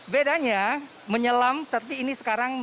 bedanya menyelam tapi ini sekarang